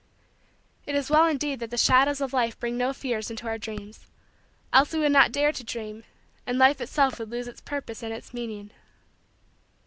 It is well indeed that the shadows of life bring no fears into our dreams else we would not dare to dream and life itself would lose its purpose and its meaning.